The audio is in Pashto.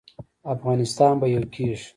افغانستان به یو کیږي؟